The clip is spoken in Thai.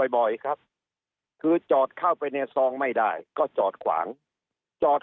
บ่อยครับคือจอดเข้าไปในซองไม่ได้ก็จอดขวางจอด